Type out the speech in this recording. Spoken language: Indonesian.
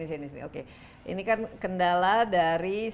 dari masyarakat kelistrikan indonesia ini